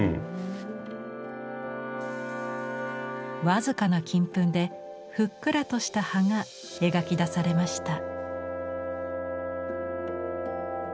僅かな金粉でふっくらとした葉が描き出されました。